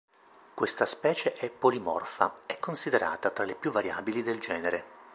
Questa specie è polimorfa: è considerata tra le più variabili del genere.